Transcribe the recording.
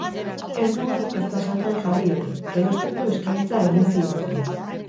Ez nuen ezta salgai jarri ere, erosteko eskaintza egin zidaten.